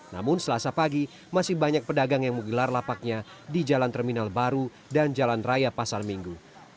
namun selasa pagi masih banyak pedagang yang menggelar lapaknya di jalan terminal baru dan jalan raya pasar minggu